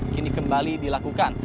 kini kembali dilakukan